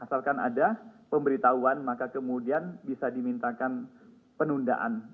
asalkan ada pemberitahuan maka kemudian bisa dimintakan penundaan